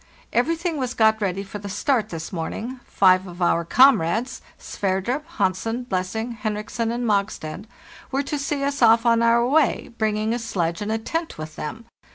Everything was got ready for the start this morning. Five of our comrades, Sverdrup, Hansen, Blessing, Henriksen, and Mogstad, were to see us off on our way, bringing a sledge and a tent with them.